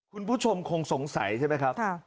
คุณผู้ชมคงสงสัยใช่ไหมครับว่าจริง